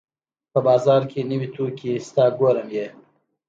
په بازار کې نوې توکي شته ګورم یې